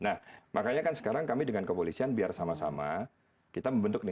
nah makanya kan sekarang kami dengan kepolisian biar sama sama kita membentuk nih